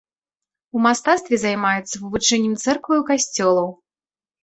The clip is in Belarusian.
У мастацтве займаюцца вывучэннем цэркваў і касцёлаў.